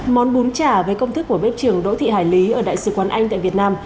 món bún chả với công thức của bếp trưởng đỗ thị hải lý ở đại sứ quán anh tại việt nam